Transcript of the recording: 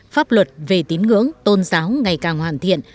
pháp luật về tín ngưỡng tôn giáo ngày càng hoàn thiện